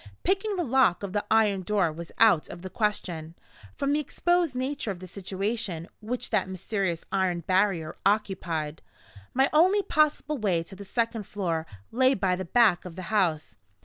Picking the lock of the iron door was out of the question, from the exposed nature of the situation which that mysterious iron barrier occupied. My only possible way to the second floor lay by the back of the house.